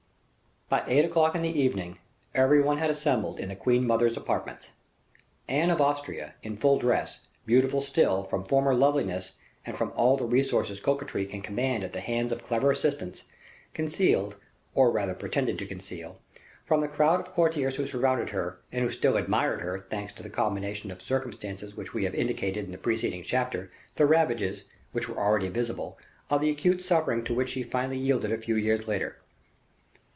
By eight o'clock in the evening, every one had assembled in the queen mother's apartments. Anne of Austria, in full dress, beautiful still, from former loveliness, and from all the resources coquetry can command at the hands of clever assistants, concealed, or rather pretended to conceal, from the crowd of courtiers who surrounded her, and who still admired her, thanks to the combination of circumstances which we have indicated in the preceding chapter, the ravages, which were already visible, of the acute suffering to which she finally yielded a few years later.